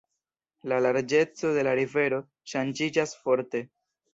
La larĝeco de la rivero ŝanĝiĝas forte.